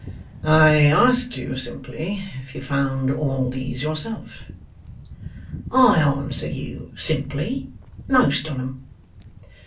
'I asked you, simply, if you found all these yourself?' 'I answer you, simply, most on 'em.